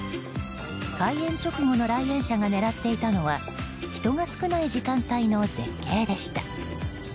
開園直後の来園者が狙っていたのは人が少ない時間帯の絶景でした。